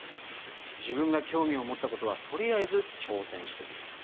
自分が興味を持ったことはとりあえず挑戦してみる。